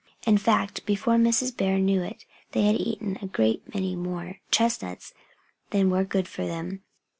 In fact, before Mrs. Bear knew it they had eaten a great many more chestnuts than were good for them.